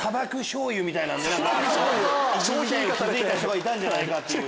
いち時代を築いた人がいたんじゃないかっていう。